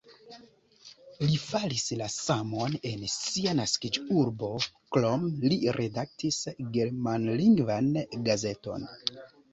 Li faris la samon en sia naskiĝurbo, krome li redaktis germanlingvan gazeton.